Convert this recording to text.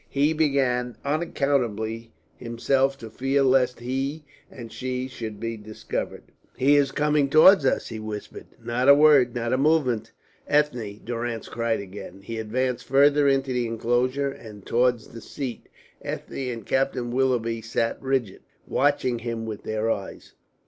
He began unaccountably himself to fear lest he and she should be discovered. "He is coming towards us," he whispered. "Not a word, not a movement." "Ethne," Durrance cried again. He advanced farther into the enclosure and towards the seat. Ethne and Captain Willoughby sat rigid, watching him with their eyes.